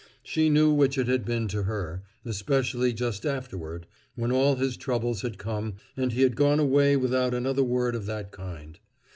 She knew which it had been to her; especially just afterward, when all his troubles had come and he had gone away without another word of that kind.